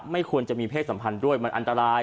ไม่ควรจะมีเพศสัมพันธ์ด้วยมันอันตราย